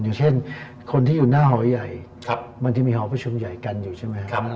อย่างเช่นคนที่อยู่หน้าหอใหญ่มันจะมีหอประชุมใหญ่กันอยู่ใช่ไหมครับ